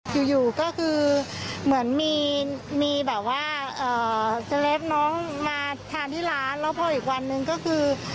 อยู่ก็คือเหมือนมีแบบว่าเซเลปน้องมาทานที่ร้านแล้วพออีกวันหนึ่งก็คือ